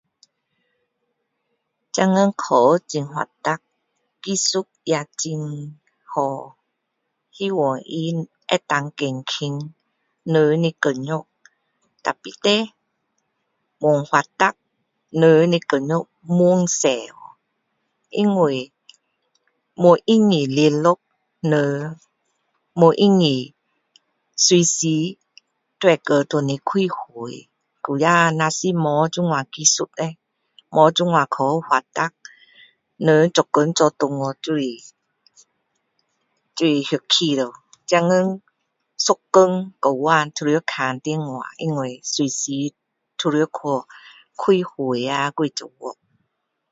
现今科技很发达，技术也很好，希望他可以减轻人的工作，但是【leh】越发达人的工作越多【wu】，因为越容易联络人越容易随时都可以叫回来开会，古早要是没这样的技术没这样科技发达，人做工做回【wu】就是，就是休息【wu】，现今一天到晚都要看电话，因为随时都要去开会啊还是做么